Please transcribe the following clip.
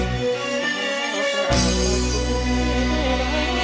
มาแล้วครับ